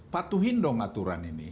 patuhin dong aturan ini